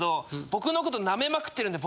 僕のこと舐めまくってるんで。